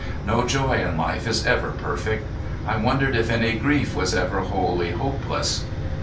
No joy in life is ever perfect. I wondered if any grief was ever wholly hopeless.